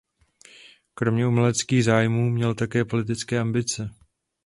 Kromě uměleckých zájmů měl také politické ambice.